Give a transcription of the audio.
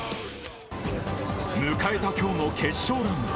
迎えた今日の決勝ラウンド。